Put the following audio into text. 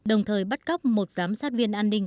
đồng thời bắt cóc một giám sát viên an ninh